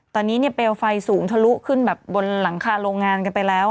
ตอนนี้เนี่ยเปลวไฟสูงทะลุขึ้นแบบบนหลังคาโรงงานกันไปแล้ว